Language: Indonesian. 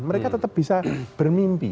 mereka tetap bisa bermimpi